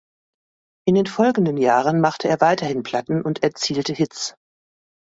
In den folgenden Jahren machte er weiterhin Platten und erzielte Hits.